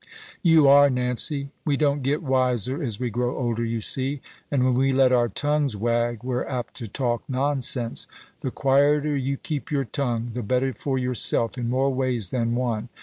"You are, Nancy. We don't get wiser as we grow older, you see; and when we let our tongues wag, we're apt to talk nonsense. The quieter you keep your tongue, the better for yourself, in more ways than one.